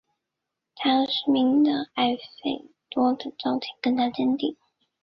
他和失明的艾费多的交情更加坚定。